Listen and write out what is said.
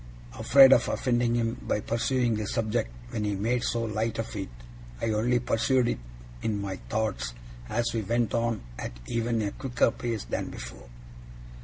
Afraid of offending him by pursuing the subject when he made so light of it, I only pursued it in my thoughts as we went on at even a quicker pace than before.